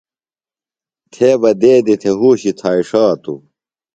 تھےۡ بہ دیدی تھے ہوشی تھائݜاتو۔